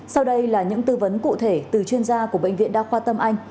sau đây là những tư vấn cụ thể từ chuyên gia của bệnh viện đa khoa tâm anh